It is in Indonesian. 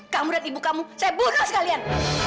kamu dan ibu kamu saya bunuh sekalian